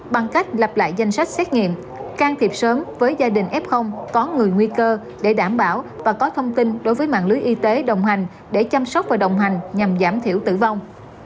bằng cách lập lại danh sách xét nghiệm can thiệp sớm với gia đình f có người nguy cơ để đảm bảo và có thông tin đối với mạng lưới y tế đồng hành để chăm sóc và đồng hành nhằm giảm thiểu tử vong